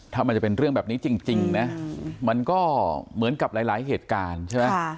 ถ้ามันจะเป็นเรื่องแบบนี้จริงนะมันก็เหมือนกับหลายเหตุการณ์ใช่ไหม